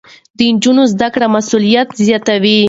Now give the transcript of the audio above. د نجونو زده کړه مسؤليت زياتوي.